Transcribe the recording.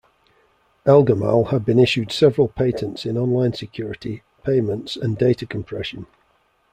Elgamal has been issued several patents in online security, payments and data compression.